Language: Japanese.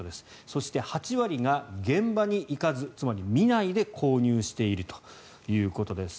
そして、８割が現場に行かずつまり見ないで購入しているということです。